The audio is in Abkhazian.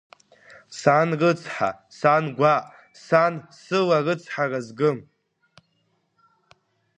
Сан рыцҳа, сан гәаҟ, сан, сыла рыцҳара згым!